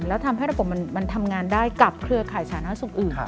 แล้วทำให้ระบบมันทำงานได้กับเครือข่ายสาธารณสุขอื่น